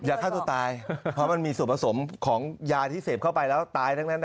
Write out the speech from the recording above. ฆ่าตัวตายเพราะมันมีส่วนผสมของยาที่เสพเข้าไปแล้วตายทั้งนั้น